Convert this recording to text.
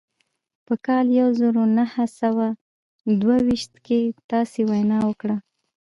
په کال يو زر و نهه سوه دوه ويشت کې تاسې وينا وکړه.